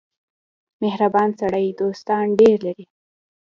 • مهربان سړی دوستان ډېر لري.